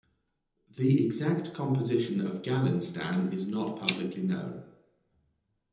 The exact composition of Galinstan is not publicly known.